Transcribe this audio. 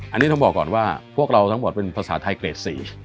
อันนี้ต้องบอกก่อนว่าพวกเราทั้งหมดเป็นภาษาไทยเกรด๔